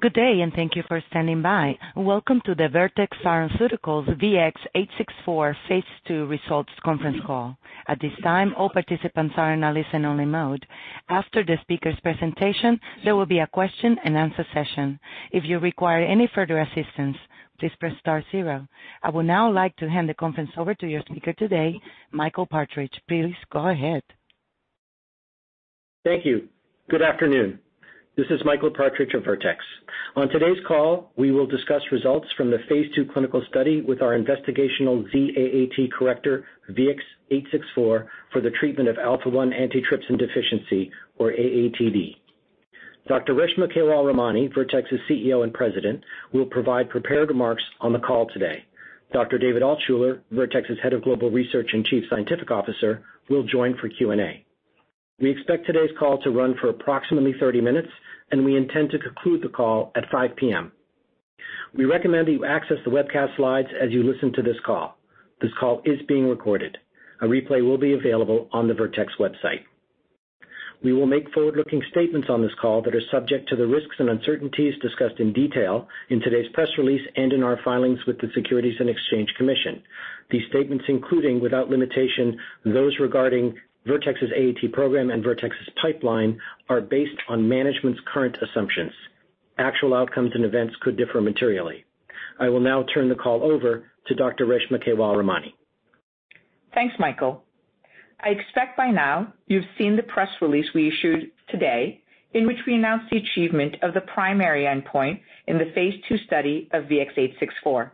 Good day, and thank you for standing by. Welcome to the Vertex Pharmaceuticals VX-864 phase II Results Conference Call. At this time, all participants are in a listen-only mode. After the speaker's presentation, there will be a question-and-answer session. If you require any further assistance, please press star zero. I would now like to hand the conference over to your speaker today, Michael Partridge. Please go ahead. Thank you. Good afternoon. This is Michael Partridge of Vertex. On today's call, we will discuss results from the phase II clinical study with our investigational Z-AAT corrector, VX-864, for the treatment of alpha-1 antitrypsin deficiency, or AATD. Dr. Reshma Kewalramani, Vertex's CEO and President, will provide prepared remarks on the call today. Dr. David Altshuler, Vertex's Head of Global Research and Chief Scientific Officer, will join for Q&A. We expect today's call to run for approximately 30 minutes, and we intend to conclude the call at 5:00 P.M. We recommend that you access the webcast slides as you listen to this call. This call is being recorded. A replay will be available on the Vertex website. We will make forward-looking statements on this call that are subject to the risks and uncertainties discussed in detail in today's press release and in our filings with the Securities and Exchange Commission. These statements, including without limitation, those regarding Vertex's AAT program and Vertex's pipeline, are based on management's current assumptions. Actual outcomes and events could differ materially. I will now turn the call over to Dr. Reshma Kewalramani. Thanks, Michael. I expect by now you've seen the press release we issued today, in which we announced the achievement of the primary endpoint in the phase II study of VX-864.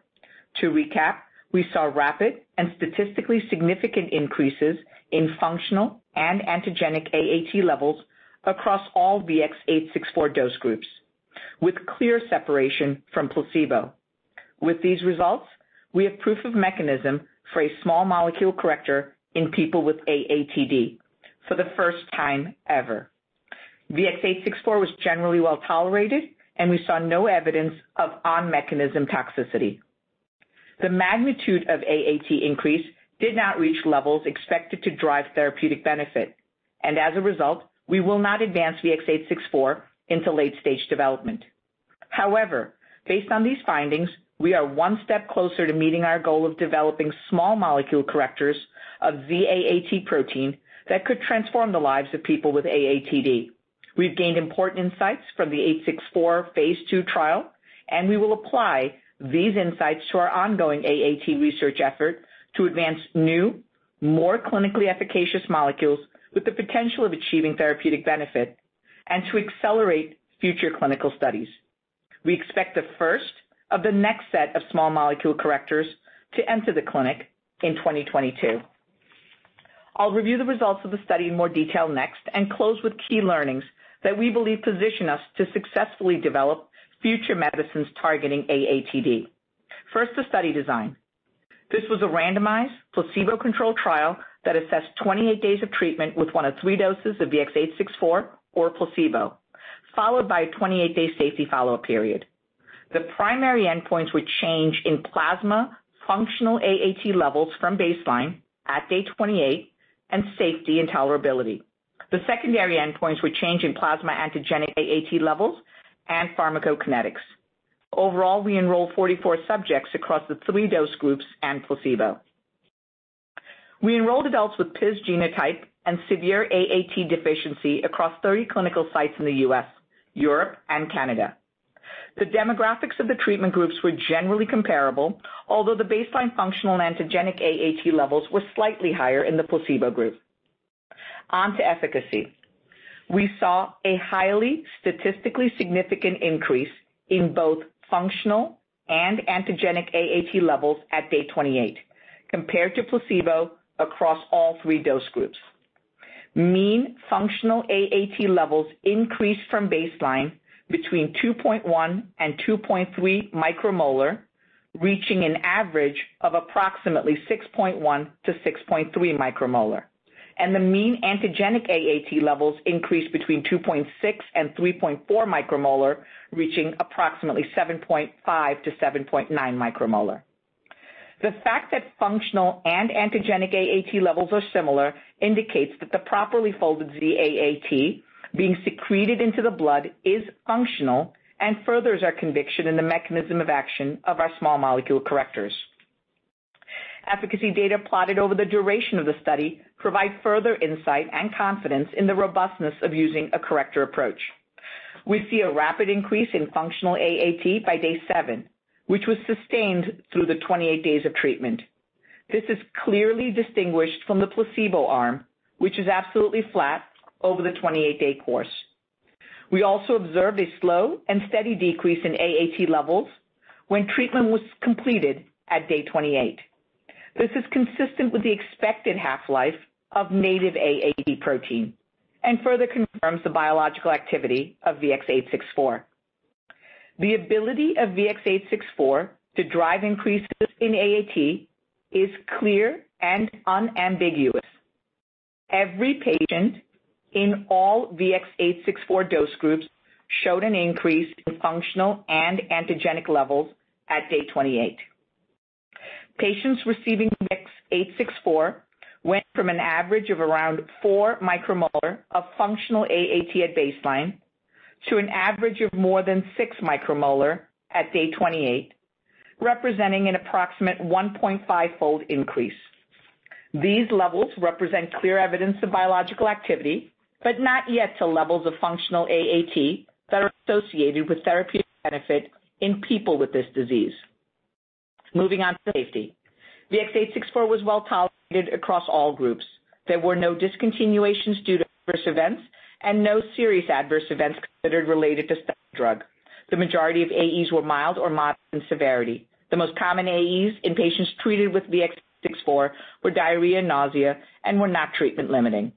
To recap, we saw rapid and statistically significant increases in functional and antigenic AAT levels across all VX-864 dose groups with clear separation from placebo. With these results, we have proof of mechanism for a small molecule corrector in people with AATD for the first time ever. VX-864 was generally well-tolerated, and we saw no evidence of on-mechanism toxicity. The magnitude of AAT increase did not reach levels expected to drive therapeutic benefit, and as a result, we will not advance VX-864 into late-stage development. However, based on these findings, we are one step closer to meeting our goal of developing small molecule correctors of ZAAT protein that could transform the lives of people with AATD. We've gained important insights from the 864 phase II trial. We will apply these insights to our ongoing AAT research effort to advance new, more clinically efficacious molecules with the potential of achieving therapeutic benefit and to accelerate future clinical studies. We expect the first of the next set of small molecule correctors to enter the clinic in 2022. I'll review the results of the study in more detail next and close with key learnings that we believe position us to successfully develop future medicines targeting AATD. First, the study design. This was a randomized, placebo-controlled trial that assessed 28 days of treatment with one of three doses of VX-864 or placebo, followed by a 28-day safety follow-up period. The primary endpoints were change in plasma functional AAT levels from baseline at day 28 and safety and tolerability. The secondary endpoints were change in plasma antigenic AAT levels and pharmacokinetics. Overall, we enrolled 44 subjects across the three dose groups and placebo. We enrolled adults with PiZZ genotype and severe AAT deficiency across 30 clinical sites in the U.S., Europe, and Canada. The demographics of the treatment groups were generally comparable, although the baseline functional antigenic AAT levels were slightly higher in the placebo group. On to efficacy. We saw a highly statistically significant increase in both functional and antigenic AAT levels at day 28 compared to placebo across all three dose groups. Mean functional AAT levels increased from baseline between 2.1 and 2.3 micromolar, reaching an average of approximately 6.1-6.3 micromolar, and the mean antigenic AAT levels increased between 2.6 and 3.4 micromolar, reaching approximately 7.5-7.9 micromolar. The fact that functional and antigenic AAT levels are similar indicates that the properly folded ZAAT being secreted into the blood is functional and furthers our conviction in the mechanism of action of our small molecule correctors. Efficacy data plotted over the duration of the study provide further insight and confidence in the robustness of using a corrector approach. We see a rapid increase in functional AAT by day seven, which was sustained through the 28 days of treatment. This is clearly distinguished from the placebo arm, which is absolutely flat over the 28-day course. We also observed a slow and steady decrease in AAT levels when treatment was completed at day 28. This is consistent with the expected half-life of native AAT protein and further confirms the biological activity of VX-864. The ability of VX-864 to drive increases in AAT is clear and unambiguous. Every patient in all VX-864 dose groups showed an increase in functional and antigenic levels at day 28. Patients receiving VX-864 went from an average of around four micromolar of functional AAT at baseline to an average of more than six micromolar at day 28, representing an approximate 1.5-fold increase. These levels represent clear evidence of biological activity, but not yet to levels of functional AAT that are associated with therapeutic benefit in people with this disease. Moving on to safety. VX-864 was well-tolerated across all groups. There were no discontinuations due to adverse events and no serious adverse events considered related to study drug. The majority of AEs were mild or moderate in severity. The most common AEs in patients treated with VX-864 were diarrhea, nausea, and were not treatment-limiting.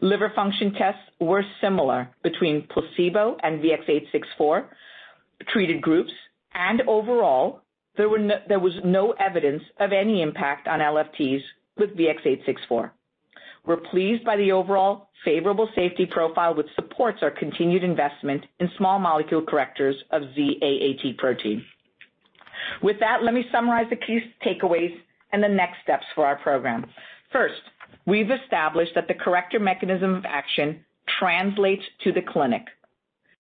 Liver function Tests were similar between placebo and VX-864 treated groups, and overall, there was no evidence of any impact on LFTs with VX-864. We're pleased by the overall favorable safety profile, which supports our continued investment in small molecule correctors of the AAT protein. With that, let me summarize the key takeaways and the next steps for our program. First, we've established that the corrector mechanism of action translates to the clinic.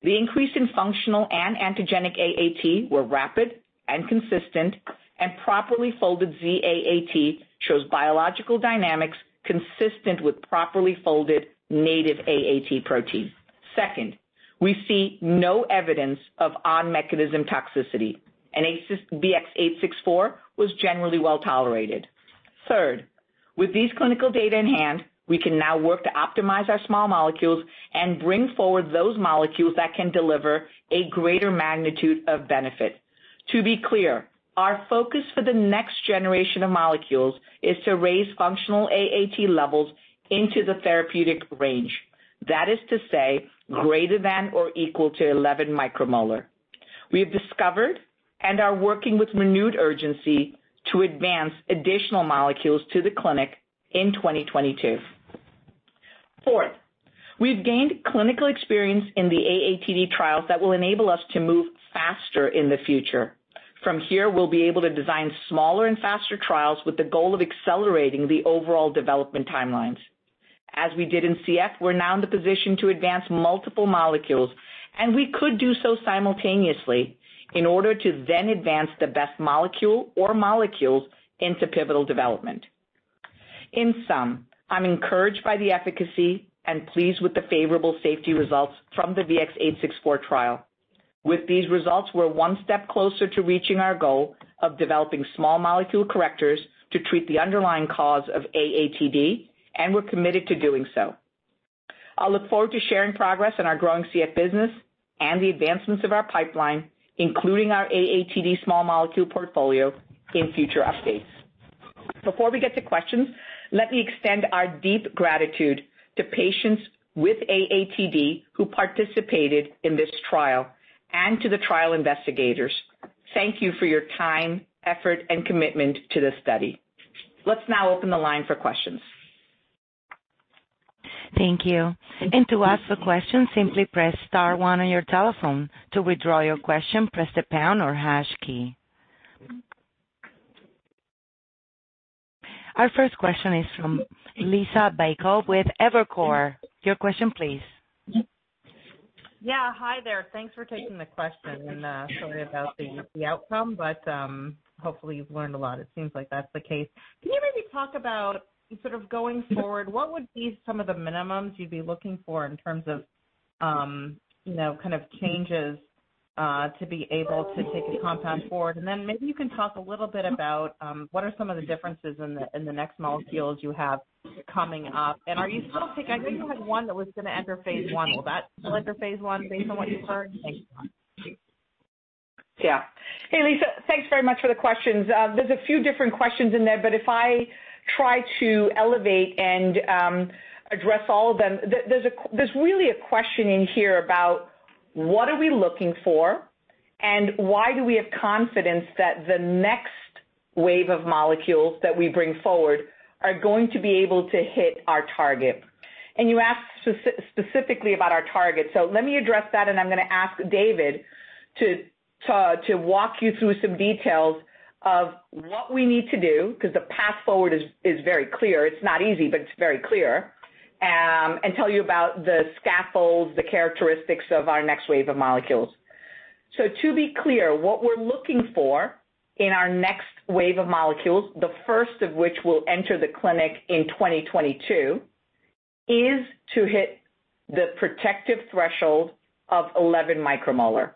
The increase in functional and antigenic AAT were rapid and consistent, and properly folded Z-AAT shows biological dynamics consistent with properly folded native AAT proteins. Second, we see no evidence of on-mechanism toxicity, and VX-864 was generally well-tolerated. Third, with these clinical data in hand, we can now work to optimize our small molecules and bring forward those molecules that can deliver a greater magnitude of benefit. To be clear, our focus for the next generation of molecules is to raise functional AAT levels into the therapeutic range. That is to say, greater than or equal to 11 micromolar. We have discovered and are working with renewed urgency to advance additional molecules to the clinic in 2022. Fourth, we've gained clinical experience in the AATD trials that will enable us to move faster in the future. From here, we'll be able to design smaller and faster trials with the goal of accelerating the overall development timelines. As we did in CF, we're now in the position to advance multiple molecules, and we could do so simultaneously in order to then advance the best molecule or molecules into pivotal development. In sum, I'm encouraged by the efficacy and pleased with the favorable safety results from the VX-864 trial. With these results, we're one step closer to reaching our goal of developing small molecule correctors to treat the underlying cause of AATD, and we're committed to doing so. I'll look forward to sharing progress on our growing CF business and the advancements of our pipeline, including our AATD small molecule portfolio, in future updates. Before we get to questions, let me extend our deep gratitude to patients with AATD who participated in this trial and to the trial investigators. Thank you for your time, effort, and commitment to the study. Let's now open the line for questions. Thank you. To ask a question, simply press star one on your telephone. To withdraw your question, press the pound or hash key. Our first question is from Liisa Bayko with Evercore. Your question, please. Yeah. Hi there. Thanks for taking the question. Sorry about the outcome, but hopefully you've learned a lot. It seems like that's the case. Can you maybe talk about sort of going forward, what would be some of the minimums you'd be looking for in terms of kind of changes to be able to take the compound forward? Maybe you can talk a little bit about what are some of the differences in the next molecules you have coming up. Are you still taking, I think you had one that was going to enter phase I. Will that still enter phase I, phase I/II? Yeah. Hey, Liisa. Thanks very much for the questions. There's a few different questions in there, but if I try to elevate and address all of them, there's really a question in here about what are we looking for and why do we have confidence that the next wave of molecules that we bring forward are going to be able to hit our target. You asked specifically about our target. Let me address that, and I'm going to ask David Altshuler to walk you through some details of what we need to do, because the path forward is very clear. It's not easy, but it's very clear, and tell you about the scaffolds, the characteristics of our next wave of molecules. To be clear, what we're looking for in our next wave of molecules, the first of which will enter the clinic in 2022, is to hit the protective threshold of 11 micromolar.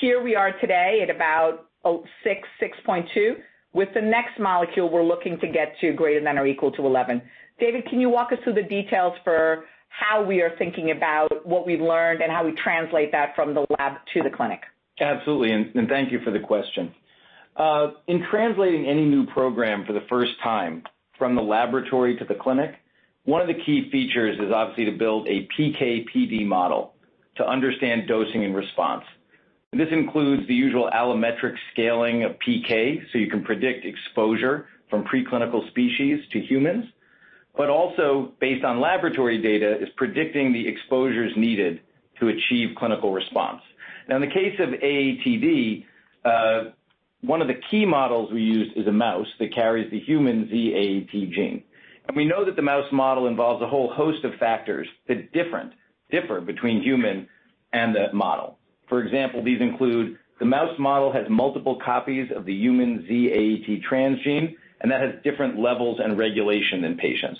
Here we are today at about 6.2. With the next molecule, we're looking to get to greater than or equal to 11. David, can you walk us through the details for how we are thinking about what we learned and how we translate that from the lab to the clinic? Absolutely. Thank you for the question. In translating any new program for the first time from the laboratory to the clinic, one of the key features is obviously to build a PK/PD model to understand dosing and response. This includes the usual allometric scaling of PK, so you can predict exposure from preclinical species to humans. Also based on laboratory data is predicting the exposures needed to achieve clinical response. Now, in the case of AATD, one of the key models we use is a mouse that carries the human ZAAT gene. We know that the mouse model involves a whole host of factors that differ between human and that model. For example, these include the mouse model has multiple copies of the human ZAAT transgene, and that has different levels and regulation in patients.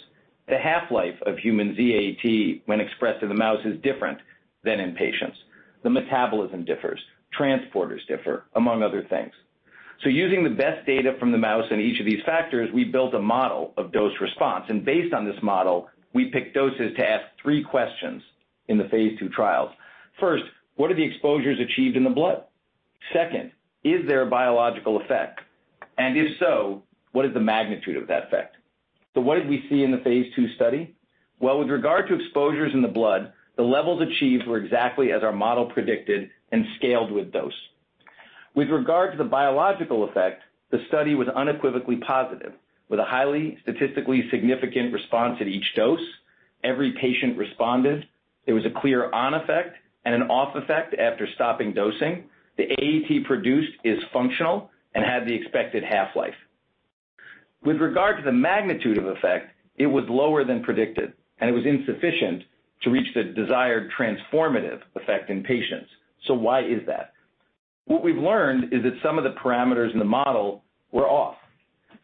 The half-life of human ZAAT when expressed in the mouse is different than in patients. The metabolism differs, transporters differ, among other things. Using the best data from the mouse on each of these factors, we built a model of dose response. Based on this model, we picked doses to ask three questions in the phase II trials. First, what are the exposures achieved in the blood? Second, is there a biological effect? If so, what is the magnitude of that effect? What did we see in the phase II study? Well, with regard to exposures in the blood, the levels achieved were exactly as our model predicted and scaled with dose. With regard to the biological effect, the study was unequivocally positive, with a highly statistically significant response at each dose. Every patient responded. There was a clear on effect and an off effect after stopping dosing. The AAT produced is functional and had the expected half-life. With regard to the magnitude of effect, it was lower than predicted, and it was insufficient to reach the desired transformative effect in patients. Why is that? What we've learned is that some of the parameters in the model were off.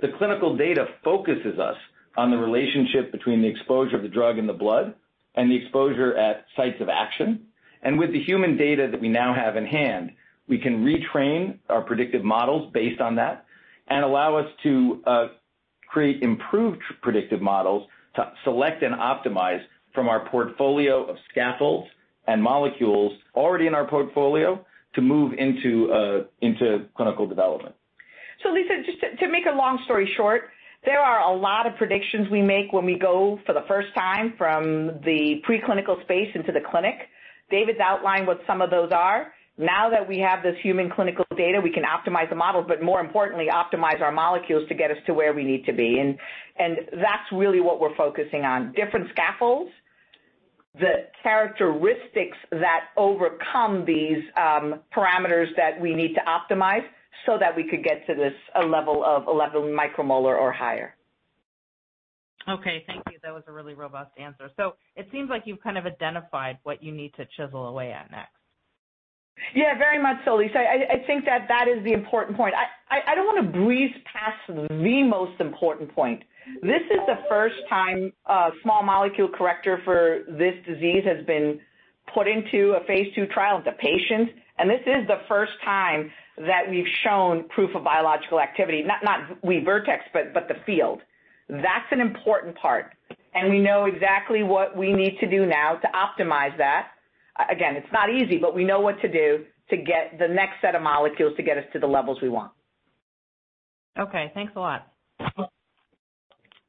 The clinical data focuses us on the relationship between the exposure of the drug in the blood and the exposure at sites of action. With the human data that we now have in hand, we can retrain our predictive models based on that and allow us to create improved predictive models to select and optimize from our portfolio of scaffolds and molecules already in our portfolio to move into clinical development. Liisa, just to make a long story short, there are a lot of predictions we make when we go for the first time from the preclinical space into the clinic. David's outlined what some of those are. Now that we have this human clinical data, we can optimize the models, but more importantly, optimize our molecules to get us to where we need to be. That's really what we're focusing on, different scaffolds, the characteristics that overcome these parameters that we need to optimize so that we could get to this level of 11 micromolar or higher. Okay, thank you. That was a really robust answer. It seems like you've kind of identified what you need to chisel away at next. Yeah, very much so, Liisa. I think that that is the important point. I don't want to breeze past the most important point. This is the first time a small molecule corrector for this disease has been put into a phase II trial with the patients, and this is the first time that we've shown proof of biological activity. Not we, Vertex, but the field. That's an important part, and we know exactly what we need to do now to optimize that. Again, it's not easy, but we know what to do to get the next set of molecules to get us to the levels we want. Okay, thanks a lot.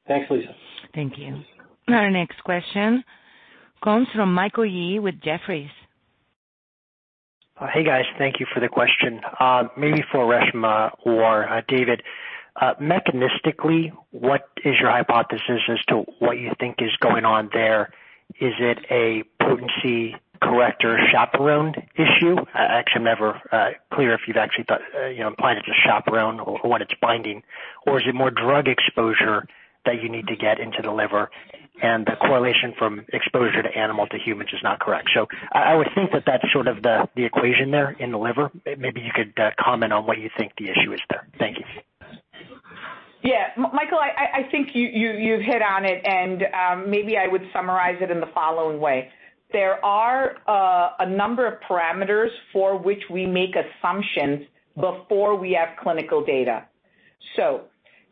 Thanks, Liisa. Thank you. Our next question comes from Michael Yee with Jefferies. Hey, guys. Thank you for the question. Maybe for Reshma or David, mechanistically, what is your hypothesis as to what you think is going on there? Is it a potency corrector chaperone issue? Actually, I'm never clear if you'd actually thought, applied as a chaperone or what it's binding. Is it more drug exposure that you need to get into the liver and the correlation from exposure to animal to human is not correct? I would think that that's sort of the equation there in the liver. Maybe you could comment on what you think the issue is there. Thank you. Yeah. Michael, I think you hit on it, and maybe I would summarize it in the following way.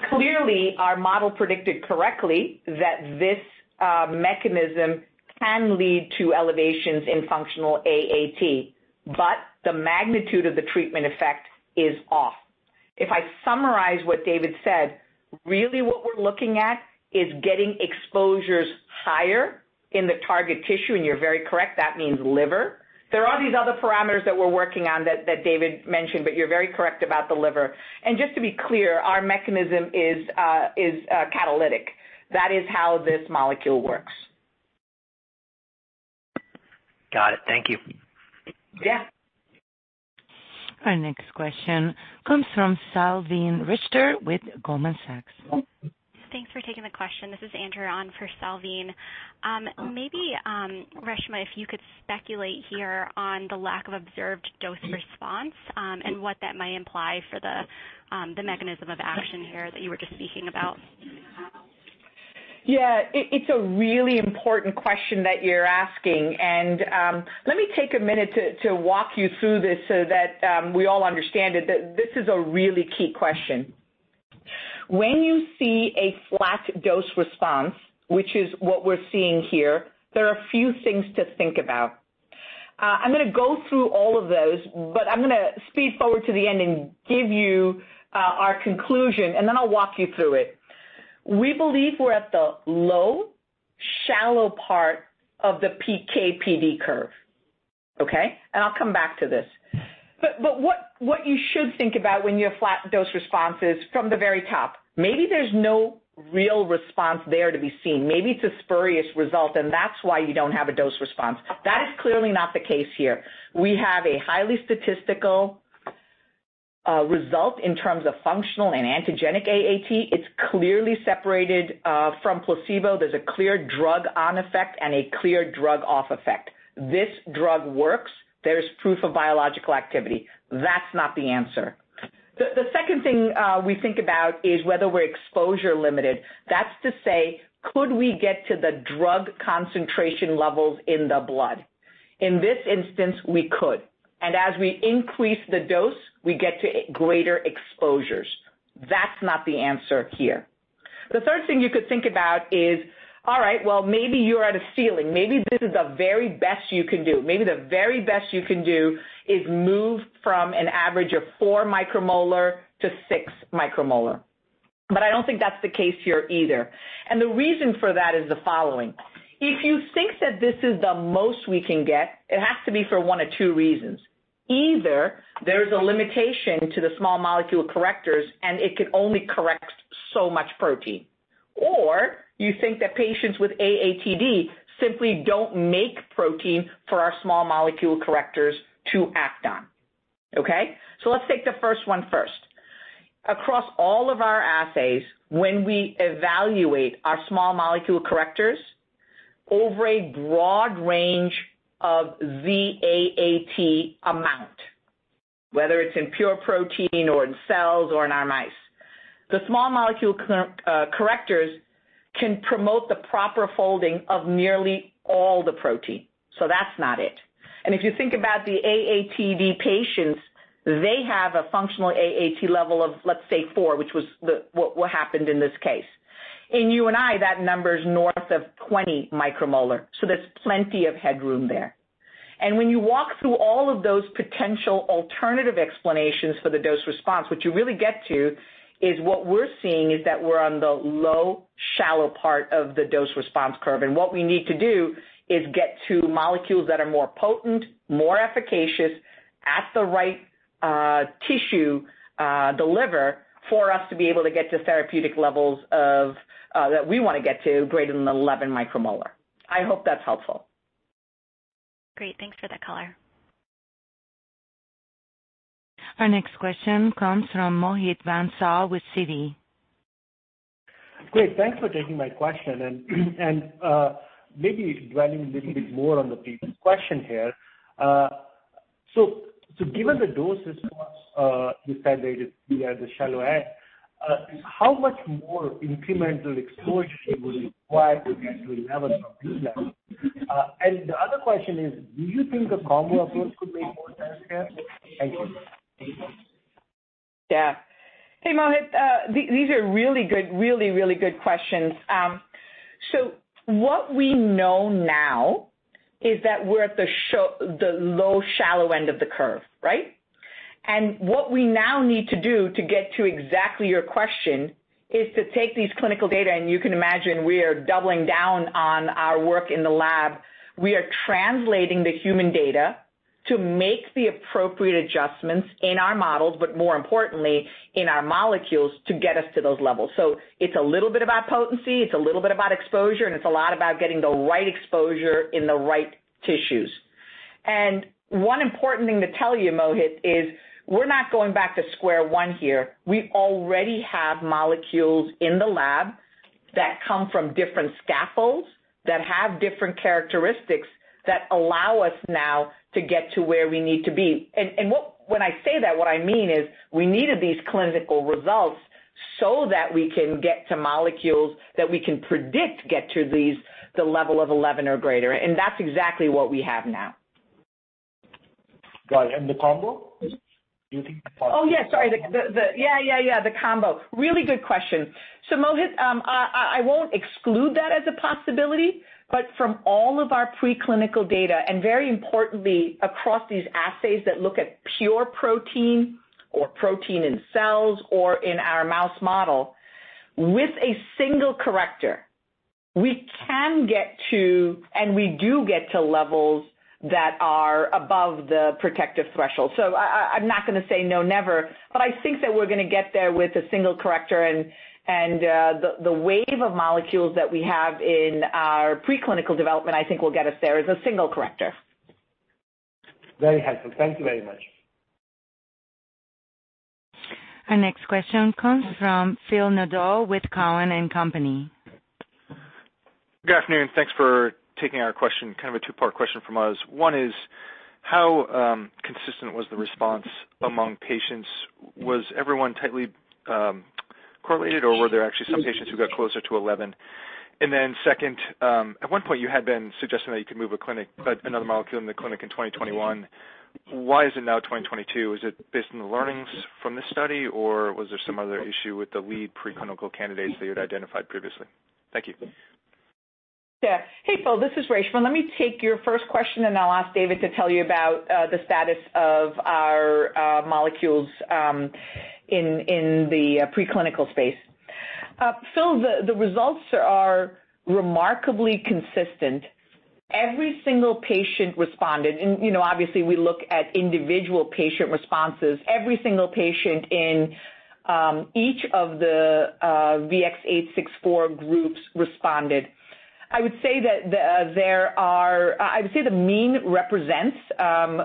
Clearly, our model predicted correctly that this mechanism can lead to elevations in functional AAT, but the magnitude of the treatment effect is off. If I summarize what David said, really what we're looking at is getting exposures higher in the target tissue, and you're very correct, that means liver. There are these other parameters that we're working on that David mentioned, but you're very correct about the liver. Just to be clear, our mechanism is catalytic. That is how this molecule works. Got it. Thank you. Yeah. Our next question comes from Salveen Richter with Goldman Sachs. Thanks for taking the question. This is Andrea on for Salveen. Maybe, Reshma, if you could speculate here on the lack of observed dose response, and what that may imply for the mechanism of action here that you were just speaking about. Yeah. It's a really important question that you're asking, and let me take a minute to walk you through this so that we all understand it, that this is a really key question. When you see a flat dose response, which is what we're seeing here, there are a few things to think about. I'm going to go through all of those, but I'm going to speed forward to the end and give you our conclusion, and then I'll walk you through it. We believe we're at the low- Shallow part of the PK/PD curve. Okay? I'll come back to this. What you should think about when you have flat dose response is from the very top. Maybe there's no real response there to be seen. Maybe it's a spurious result, and that's why you don't have a dose response. That is clearly not the case here. We have a highly statistical result in terms of functional and antigenic AAT. It's clearly separated from placebo. There's a clear drug on effect and a clear drug off effect. This drug works. There's proof of biological activity. That's not the answer. The second thing we think about is whether we're exposure limited. That's to say, could we get to the drug concentration levels in the blood? In this instance, we could, and as we increase the dose, we get to greater exposures. That's not the answer here. The third thing you could think about is, all right, well, maybe you're at a ceiling. Maybe this is the very best you can do. Maybe the very best you can do is move from an average of four micromolar to six micromolar. I don't think that's the case here either. The reason for that is the following. If you think that this is the most we can get, it has to be for one of two reasons. Either there's a limitation to the small molecule correctors, and it can only correct so much protein. Or you think that patients with AATD simply don't make protein for our small molecule correctors to act on. Okay? Let's take the first one first. Across all of our assays, when we evaluate our small molecule correctors over a broad range of ZAAT amount, whether it's in pure protein or in cells or in our mice, the small molecule correctors can promote the proper folding of nearly all the protein. That's not it. If you think about the AATD patients, they have a functional AAT level of, let's say, four, which was what happened in this case. In you and I, that number is north of 20 micromolar. There's plenty of headroom there. When you walk through all of those potential alternative explanations for the dose response, what you really get to is what we're seeing is that we're on the low, shallow part of the dose response curve. What we need to do is get to molecules that are more potent, more efficacious at the right tissue, the liver, for us to be able to get to therapeutic levels that we want to get to greater than 11 micromolar. I hope that's helpful. Great. Thanks for the color. Our next question comes from Mohit Bansal with Citigroup. Great. Thanks for taking my question maybe dwelling a little bit more on the previous question here. Given the dose response you said is near the shallow end, how much more incremental exposure do you require to get to 11 or greater? The other question is, do you think a combo approach could make more sense here? Thank you. Yeah. Hey, Mohit. These are really good, really good questions. What we know now is that we're at the low, shallow end of the curve, right? What we now need to do to get to exactly your question is to take these clinical data, and you can imagine we are doubling down on our work in the lab. We are translating the human data to make the appropriate adjustments in our models, more importantly, in our molecules to get us to those levels. It's a little bit about potency, it's a little bit about exposure, and it's a lot about getting the right exposure in the right tissues. One important thing to tell you, Mohit, is we're not going back to square one here. We already have molecules in the lab that come from different scaffolds, that have different characteristics that allow us now to get to where we need to be. When I say that, what I mean is we needed these clinical results so that we can get to molecules that we can predict get to the level of 11 or greater. That's exactly what we have now. Right. The combo? Oh, yeah. Sorry. Yeah. The combo. Really good question. Mohit, I won't exclude that as a possibility, but from all of our preclinical data, and very importantly, across these assays that look at pure protein or protein in cells or in our mouse model, with a single corrector, we can get to, and we do get to levels that are above the protective threshold. I'm not going to say no never, but I think that we're going to get there with a single corrector, and the wave of molecules that we have in our preclinical development, I think will get us there as a single corrector. Very helpful. Thank you very much. Our next question comes from Phil Nadeau with TD Cowen. Good afternoon. Thanks for taking our question. Kind of a two part question from us. One is, how consistent was the response among patients? Was everyone tightly correlated, or were there actually some patients who got closer to 11? Second, at one point you had been suggesting that you can move another molecule into the clinic in 2021. Why is it now 2022? Is it based on the learnings from this study, or was there some other issue with the lead preclinical candidates that you'd identified previously? Thank you. Yeah. Hey, Phil Nadeau, this is Reshma Kewalramani. Let me take your first question, then I'll ask David Altshuler to tell you about the status of our molecules in the preclinical space. The results are remarkably consistent. Every single patient responded. Obviously, we look at individual patient responses. Every single patient in each of the VX-864 groups responded. I would say the mean represents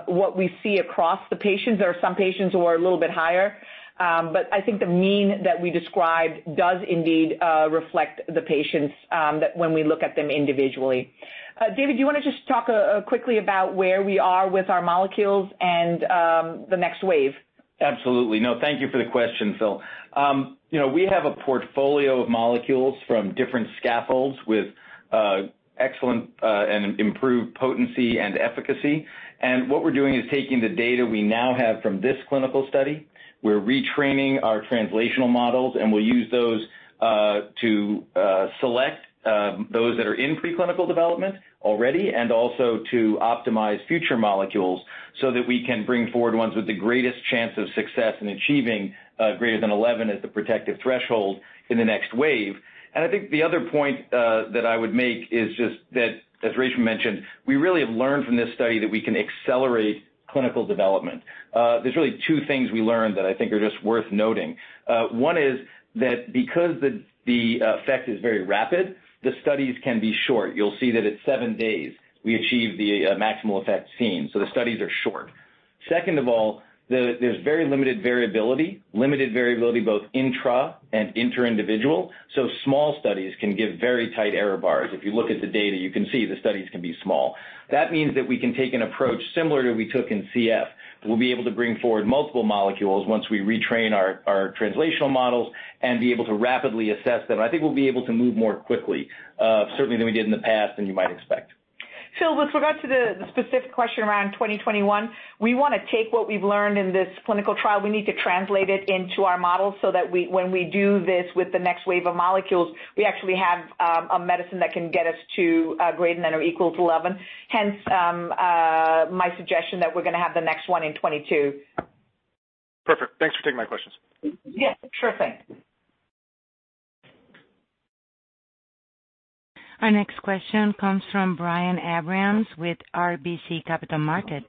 what we see across the patients. There are some patients who are a little bit higher, I think the mean that we described does indeed reflect the patients when we look at them individually. David Altshuler, do you want to just talk quickly about where we are with our molecules and the next wave? Absolutely. No, thank you for the question, Phil. We have a portfolio of molecules from different scaffolds with excellent and improved potency and efficacy. What we're doing is taking the data we now have from this clinical study, we're retraining our translational models, and we'll use those to select those that are in preclinical development already and also to optimize future molecules so that we can bring forward ones with the greatest chance of success in achieving greater than 11 at the protective threshold in the next wave. I think the other point that I would make is just that, as Reshma mentioned, we really have learned from this study that we can accelerate clinical development. There's really two things we learned that I think are just worth noting. One is that because the effect is very rapid, the studies can be short. You'll see that at seven days we achieve the maximal effect seen, so the studies are short. Second of all, there's very limited variability, limited variability both intra and inter-individual, so small studies can give very tight error bars. If you look at the data, you can see the studies can be small. That means that we can take an approach similar to we took in CF, that we'll be able to bring forward multiple molecules once we retrain our translational models and be able to rapidly assess them. I think we'll be able to move more quickly, certainly than we did in the past, than you might expect. Phil, with regard to the specific question around 2021, we want to take what we've learned in this clinical trial. We need to translate it into our models so that when we do this with the next wave of molecules, we actually have a medicine that can get us to greater than or equals 11, hence my suggestion that we're going to have the next one in 2022. Perfect. Thanks for taking my questions. Yeah, sure thing. Our next question comes from Brian Abrahams with RBC Capital Markets.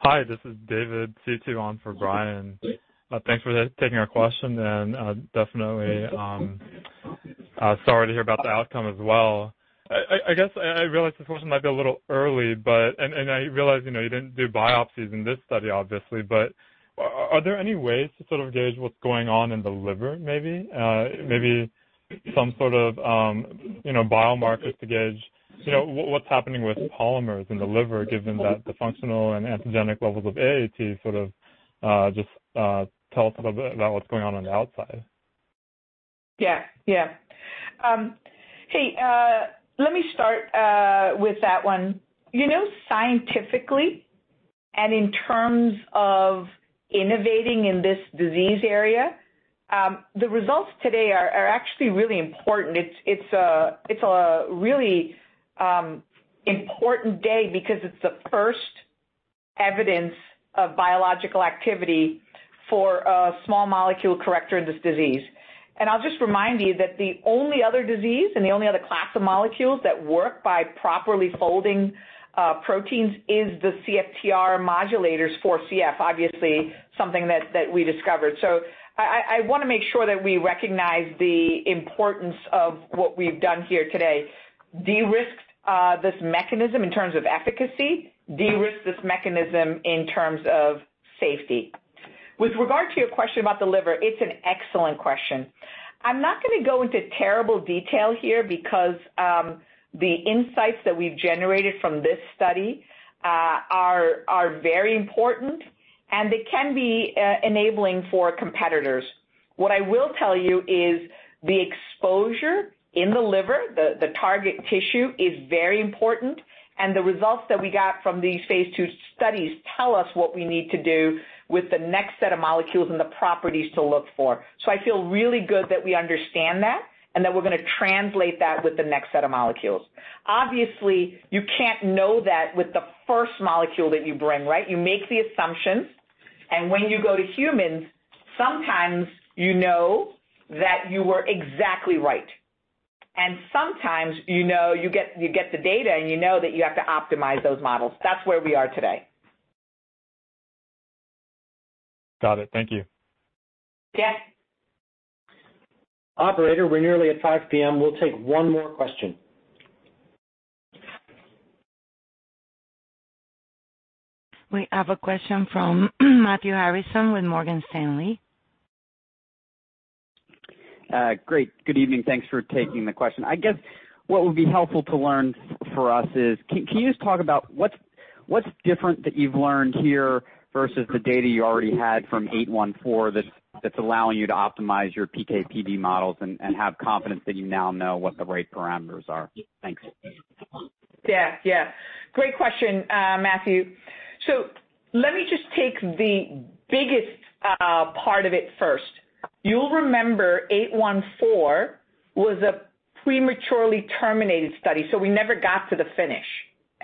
Hi, this is David, sitting in for Brian. Thanks for taking our question and definitely sorry to hear about the outcome as well. I guess I realize this question might be a little early, and I realize you didn't do biopsies in this study, obviously, but are there any ways to sort of gauge what's going on in the liver, maybe? Maybe some sort of biomarkers to gauge what's happening with polymers in the liver, given that the functional and antigenic levels of AAT sort of just tell us a little bit about what's going on on the outside. Yeah. Hey, let me start with that one. Scientifically and in terms of innovating in this disease area, the results today are actually really important. It's a really important day because it's the first evidence of biological activity for a small molecule corrector in this disease. I'll just remind you that the only other disease and the only other class of molecules that work by properly folding proteins is the CFTR modulators for CF, obviously, something that we discovered. I want to make sure that we recognize the importance of what we've done here today. De-risk this mechanism in terms of efficacy, de-risk this mechanism in terms of safety. With regard to your question about the liver, it's an excellent question. I'm not going to go into terrible detail here because the insights that we've generated from this study are very important, and it can be enabling for competitors. What I will tell you is the exposure in the liver, the target tissue, is very important, and the results that we got from these phase II studies tell us what we need to do with the next set of molecules and the properties to look for. I feel really good that we understand that, and that we're going to translate that with the next set of molecules. Obviously, you can't know that with the first molecule that you bring. You make the assumptions, and when you go to humans, sometimes you know that you were exactly right. Sometimes you get the data, and you know that you have to optimize those models. That's where we are today. Got it. Thank you. Yeah. Operator, we're nearly at 5:00 P.M. We'll take one more question. We have a question from Matthew Harrison with Morgan Stanley. Great. Good evening. Thanks for taking the question. I guess what would be helpful to learn for us is, can you just talk about what's different that you've learned here versus the data you already had from 814 that's allowing you to optimize your PK/PD models and have confidence that you now know what the right parameters are? Thanks. Yeah. Great question, Matthew. Let me just take the biggest part of it first. You'll remember VX-814 was Prematurely terminated study. We never got to the finish.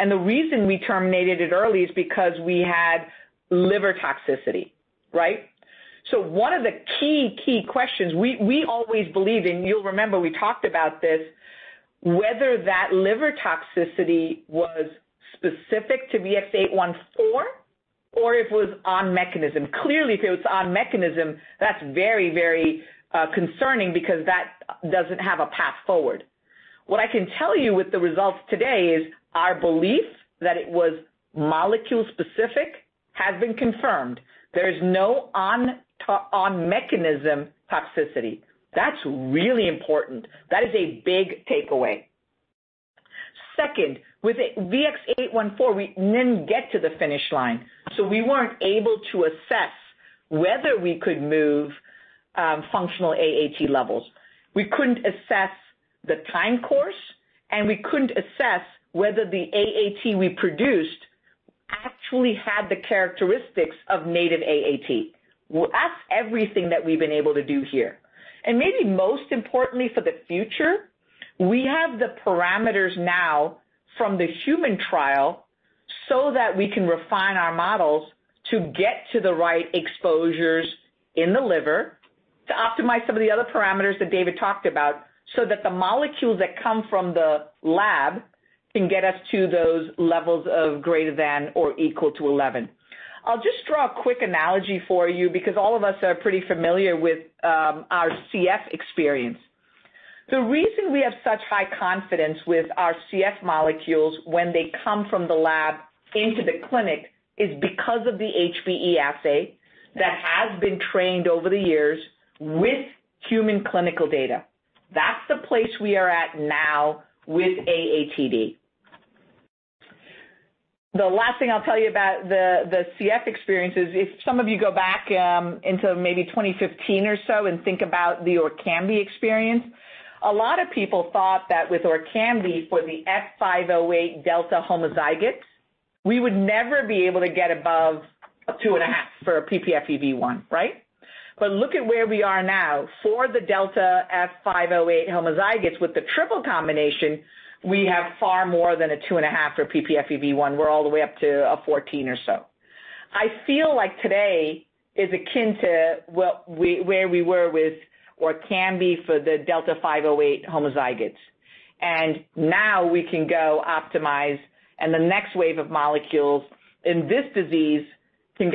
The reason we terminated it early is because we had liver toxicity. Right. One of the key questions we always believe, and you'll remember we talked about this, whether that liver toxicity was specific to VX-814, or if it was on mechanism. Clearly, if it was on mechanism, that's very concerning because that doesn't have a path forward. What I can tell you with the results today is our belief that it was molecule specific has been confirmed. There is no on mechanism toxicity. That's really important. That is a big takeaway. Second, with VX-814, we didn't get to the finish line. We weren't able to assess whether we could move functional AAT levels. We couldn't assess the time course, and we couldn't assess whether the AAT we produced actually had the characteristics of native AAT. That's everything that we've been able to do here. Maybe most importantly for the future, we have the parameters now from the human trial so that we can refine our models to get to the right exposures in the liver to optimize some of the other parameters that David talked about so that the molecules that come from the lab can get us to those levels of greater than or equal to 11. I'll just draw a quick analogy for you because all of us are pretty familiar with our CF experience. The reason we have such high confidence with our CF molecules when they come from the lab into the clinic is because of the HBE assay that has been trained over the years with human clinical data. That's the place we are at now with AATD. The last thing I'll tell you about the CF experience is if some of you go back into maybe 2015 or so and think about the ORKAMBI experience, a lot of people thought that with ORKAMBI for the F508 delta homozygotes, we would never be able to get above 2.5 for a ppFEV1, right? Look at where we are now. For the delta F508 homozygotes with the triple combination, we have far more than a 2.5 for ppFEV1. We're all the way up to a 14 or so. I feel like today is akin to where we were with ORKAMBI for the delta F508 homozygotes. Now we can go optimize, and the next wave of molecules in this disease can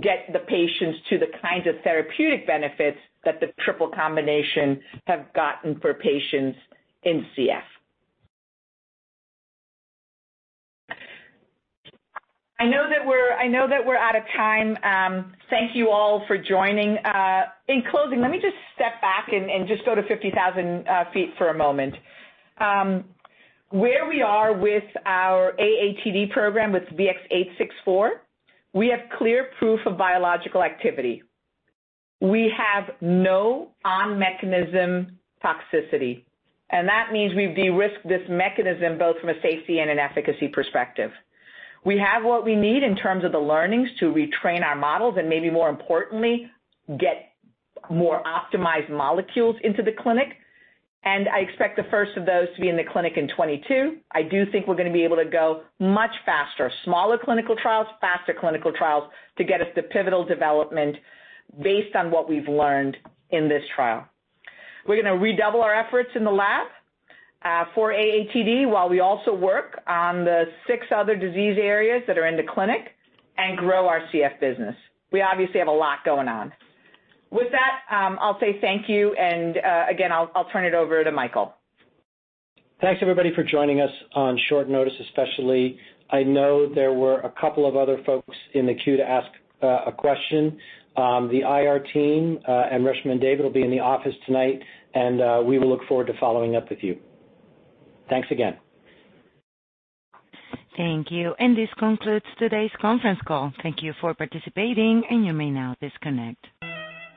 get the patients to the kinds of therapeutic benefits that the triple combination have gotten for patients in CF. I know that we're out of time. Thank you all for joining. In closing, let me just step back and just go to 50,000 feet for a moment. Where we are with our AATD program with VX-864, we have clear proof of biological activity. We have no on-mechanism toxicity, and that means we've de-risked this mechanism both from a safety and an efficacy perspective. We have what we need in terms of the learnings to retrain our models and maybe more importantly, get more optimized molecules into the clinic, and I expect the first of those to be in the clinic in 2022. I do think we're going to be able to go much faster, smaller clinical trials, faster clinical trials to get us to pivotal development based on what we've learned in this trial. We're going to redouble our efforts in the lab for AATD while we also work on the six other disease areas that are in the clinic and grow our CF business. We obviously have a lot going on. With that, I'll say thank you, and again, I'll turn it over to Michael. Thanks, everybody, for joining us on short notice, especially. I know there were a couple of other folks in the queue to ask a question. The IR team and Reshma and David will be in the office tonight, and we will look forward to following up with you. Thanks again. Thank you. This concludes today's conference call. Thank you for participating, and you may now disconnect.